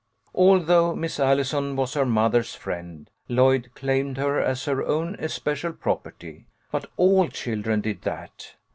Although Miss Allison was her mother's friend, Lloyd claimed her as her own especial property. But all children did that.